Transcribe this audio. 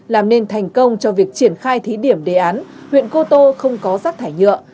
làm nên thành công cho việc triển khai thí điểm đề án huyện cô tô không có rác thải nhựa